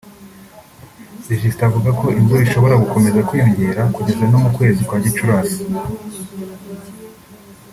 Justin avuga ko imvura ishobora gukomeza kwiyongera kugeza no mu kwezi kwa Gicurasi